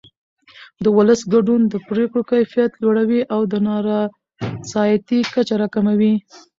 د ولس ګډون د پرېکړو کیفیت لوړوي او د نارضایتۍ کچه راکموي